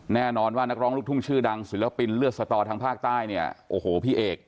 แน่นอนว่านักร้องลูกทุ่งชื่อดังศิลปินเลือดสตอทางภาคใต้เนี่ยโอ้โหพี่เอก